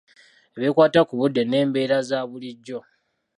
Ebikwata ku budde n'embeera za bulijjo.